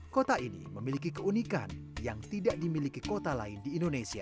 kota ini memiliki keunikan yang tidak dimiliki kota lain di indonesia